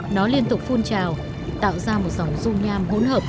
nó liên tục phun trào tạo ra một dòng rung nham hỗn hợp